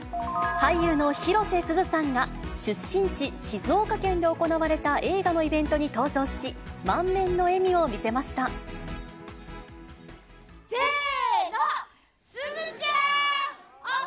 俳優の広瀬すずさんが、出身地、静岡県で行われた映画のイベントに登場し、満面の笑みを見せましせーの、すずちゃーん！